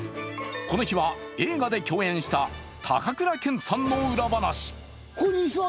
この日は映画で共演した高倉健さんの裏話。